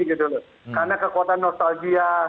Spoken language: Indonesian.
karena kekuatan nostalgia